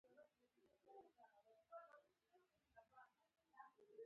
هغه د محبوب محبت پر مهال د مینې خبرې وکړې.